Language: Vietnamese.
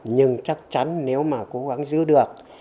nhưng chắc chắn nếu mà cố gắng giữ được